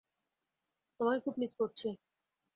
তোমাকে খুব মিস করেছি!